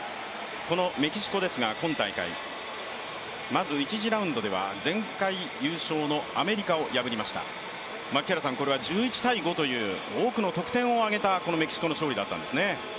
このメキシコですが、今大会、まず１次ラウンドでは前回優勝のアメリカを破りましたこれは１１−５という多くの得点を挙げたメキシコの勝利だったんですね。